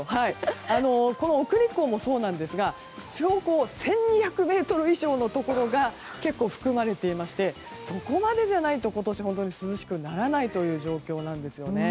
奥日光もそうなんですが標高１２００ｍ以上のところが結構含まれていましてそこまでじゃないと今年は本当に涼しくならないという状況なんですね。